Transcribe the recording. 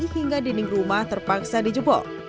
hingga dinding rumah terpaksa dijebol